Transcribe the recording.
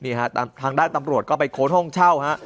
ฮะทางด้านตำรวจก็ไปค้นห้องเช่าฮะ